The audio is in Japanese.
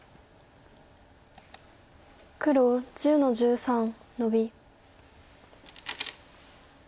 黒１０の十三ノビ。